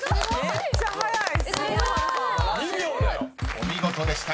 ［お見事でした。